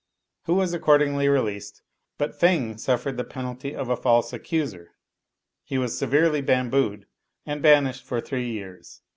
Hu was accordingly released, but Feng suffered the penalty of a false accuser; he was severely bambooed, and banished for three years.